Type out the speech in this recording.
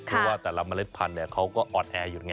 เพราะว่าแต่ละเมล็ดปั่นเขาก็ออดแอร์อยู่นะไง